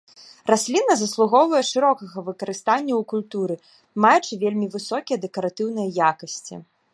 Расліна заслугоўвае шырокага выкарыстання ў культуры, маючы вельмі высокія дэкаратыўныя якасці.